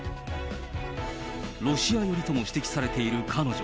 ロシア寄りとも指摘されている彼女。